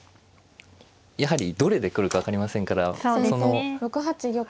やはりどれで来るか分かりませんからその早繰り